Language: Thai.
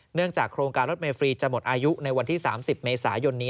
จากโครงการรถเมฟรีจะหมดอายุในวันที่๓๐เมษายนนี้